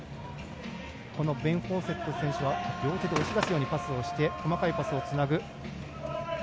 このベン・フォーセット選手は両手で押し出すようにして細かいパスをつなぐ。